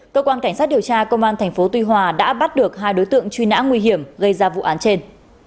cơ quan cảnh sát điều tra công an tp tuy hòa đã bắt được hai đối tượng truy nã nguy hiểm gây ra vụ án trên